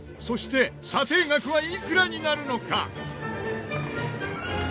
そして査定額はいくらになるのか？